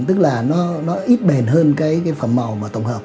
tức là nó ít bền hơn cái phần màu màu tổng hợp